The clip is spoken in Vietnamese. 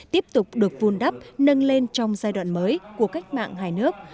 tiếp tục được vun đắp nâng lên trong giai đoạn mới của cách mạng hai nước